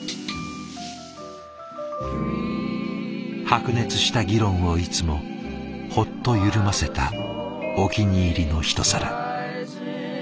白熱した議論をいつもホッと緩ませたお気に入りのひと皿。